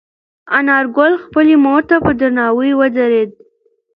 انارګل خپلې مور ته په درناوي ودرېد.